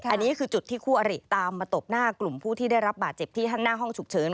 อันนี้คือจุดที่คู่อริตามมาตบหน้ากลุ่มผู้ที่ได้รับบาดเจ็บที่หน้าห้องฉุกเฉิน